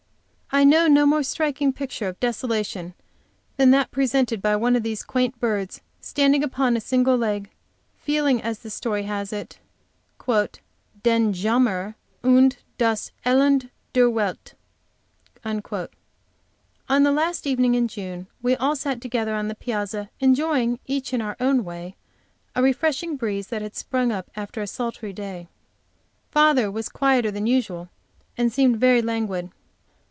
I know no more striking picture of desolation than that presented by one of these quaint birds, standing upon a single leg, feeling as the story has it, "den Jammer und das Elend der Welt." On the last evening in June we all sat together on the piazza, enjoying, each in our own way, a refreshing breeze that had sprung up after a sultry day. Father was quieter than usual, and seemed very languid.